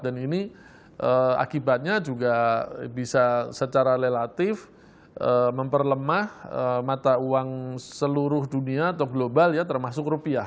dan ini akibatnya juga bisa secara relatif memperlemah mata uang seluruh dunia atau global ya termasuk rupiah